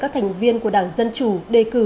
các thành viên của đảng dân chủ đề cử